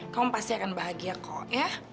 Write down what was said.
kamu pasti akan bahagia kok ya